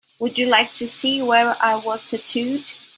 Would you like to see where I was tattooed?